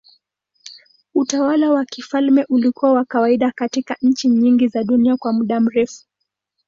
Utawala wa kifalme ulikuwa wa kawaida katika nchi nyingi za dunia kwa muda mrefu.